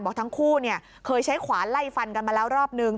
ทั้งคู่เคยใช้ขวานไล่ฟันกันมาแล้วรอบนึง